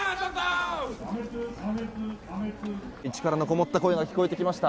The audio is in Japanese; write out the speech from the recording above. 力のこもった声が聞こえてきました。